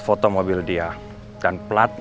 gak ada kesalahan pak